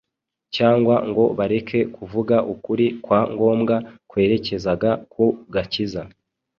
cyangwa ngo bareke kuvuga ukuri kwa ngombwa kwerekezaga ku gakiza